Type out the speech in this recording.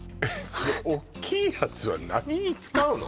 そのおっきいやつは何に使うの？